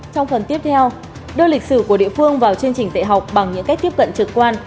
trong phần tiếp theo đưa lịch sử của địa phương vào chương trình tệ học bằng những cách tiếp cận trực quan